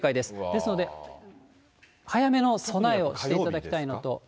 ですので、早めの備えをしていただきたいのと。